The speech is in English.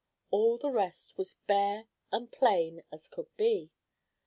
All the rest was bare and plain as could be.